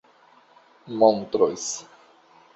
montros